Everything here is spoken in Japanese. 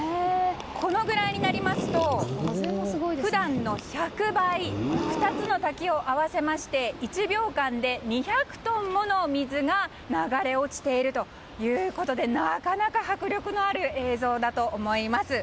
このぐらいになりますと普段の１００倍２つの滝を合わせまして１秒間で２００トンもの水が流れ落ちているということでなかなか迫力のある映像だと思います。